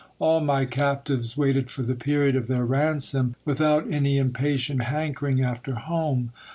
All my captives waited for the period of their ransom, without any impatient hankering after home.